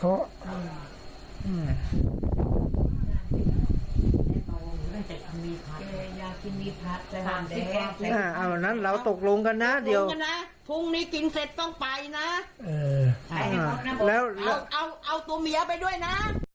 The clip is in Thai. เอาตกลงกันนะเดี๋ยวนะพรุ่งนี้กินเสร็จต้องไปนะแล้วเอาตัวเมียไปด้วยนะ